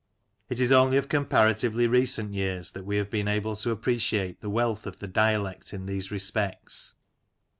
It is only of comparatively recent years that we have been able to appreciate the wealth of the dialect in these respects.